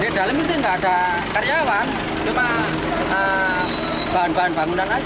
karena di dalam itu nggak ada karyawan cuma bahan bahan bangunan aja ini